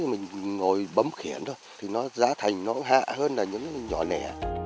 mình ngồi bấm khiển thôi thì nó giá thành nó hạ hơn là những nhỏ lẻ